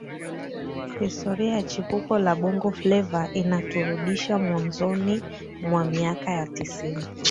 Historia ya chimbuko la Bongo Fleva inaturudisha mwanzoni mwa miaka ya tisini